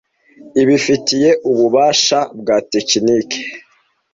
ibifitiye ububasha bwa tekiniki